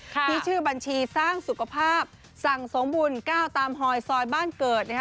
ที่ชื่อบัญชีสร้างสุขภาพสั่งสมบุญก้าวตามฮอยซอยบ้านเกิดนะฮะ